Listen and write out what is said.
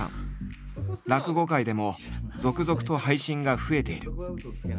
落語界でも続々と配信が増えている。